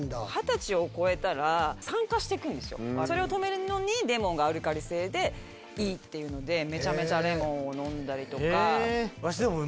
それを止めるのにレモンがアルカリ性でいいっていうのでめちゃめちゃレモンを飲んだりとか。